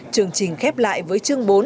chương trình khép lại với chương bốn